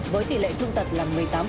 với tỷ lệ thương tật là một mươi tám